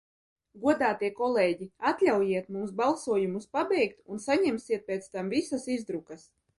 Godātie kolēģi, atļaujiet mums balsojumus pabeigt un saņemsiet pēc tam visas izdrukas.